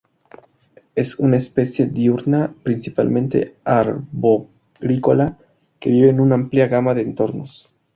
Es una especie diurna, principalmente arborícola, que vive en una amplia gama de entornos.